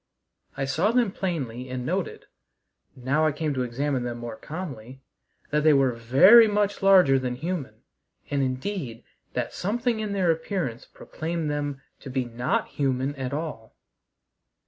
I saw them plainly and noted, now I came to examine them more calmly, that they were very much larger than human, and indeed that something in their appearance proclaimed them to be not human at all.